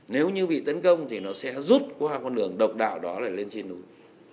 nếu như bị tấn công thì nó sẽ rút qua con đường độc đạo đó là lên trên núi